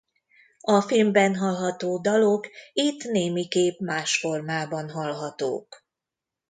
A filmben hallható dalok itt némiképp más formában hallhatók.